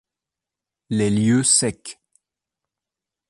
Les lieux secs.